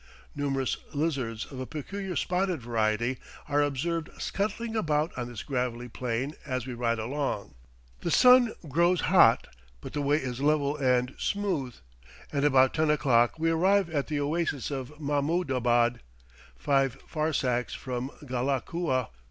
Numerous lizards of a peculiar spotted variety are observed scuttling about on this gravelly plain as we ride along. The sun grows hot, but the way is level and smooth, and about ten o'clock we arrive at the oasis of Mahmoudabad, five farsakhs from Ghalakua.